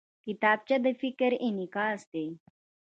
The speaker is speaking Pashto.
کتابچه د فکر انعکاس دی